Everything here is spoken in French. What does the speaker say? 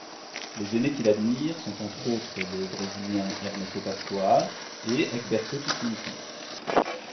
Les aînés qu'il admire sont entre autres le brésilien Hermeto Pascoal et Egberto Gismonti.